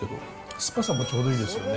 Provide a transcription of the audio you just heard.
酸っぱさもちょうどいいですよね。